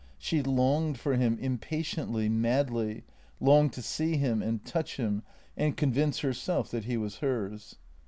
She longed for him impatiently, madly — longed to see him and touch him and convince herself that he was hers.